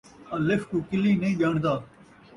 الف کوں کلی نئیں ڄاݨدا